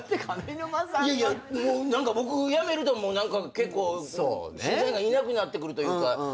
いやいや僕やめるともう結構審査員がいなくなってくるというか。